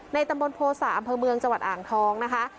ตำบลโภษะอำเภอเมืองจังหวัดอ่างทองนะคะ